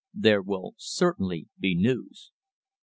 "There will certainly be news."